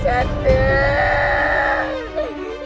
fahri harus tau nih